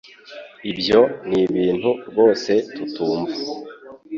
ibyo nibintu rwose tutumva